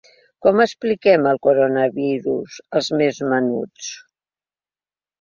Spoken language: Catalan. Com expliquem el coronavirus als més menuts?